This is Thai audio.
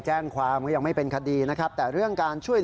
ใช่แล้วต้องหาว่าเดินไปแล้วเขาขี่รถหนี